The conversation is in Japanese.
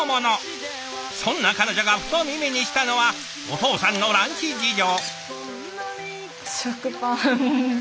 そんな彼女がふと耳にしたのはお父さんのランチ事情。